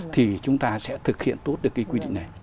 thì chúng ta sẽ thực hiện tốt được cái quy định này